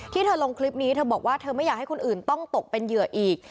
เธอลงคลิปนี้เธอบอกว่าเธอไม่อยากให้คนอื่นต้องตกเป็นเหยื่ออีก